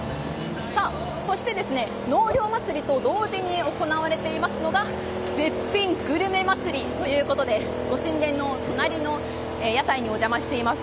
そして、納涼祭りと同時に行われていますのが絶品グルメ祭りということでご神殿の隣の屋台にお邪魔しています。